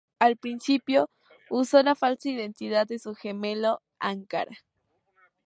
Al principio, usó la falsa identidad de su gemelo "Ankara".